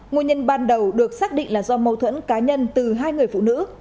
nguồn nhân ban đầu được xác định là do mâu thuẫn cá nhân từ hai người phụ nữ